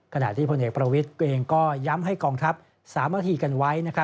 ขณะที่พลเอกประวิทย์เองก็ย้ำให้กองทัพสามัคคีกันไว้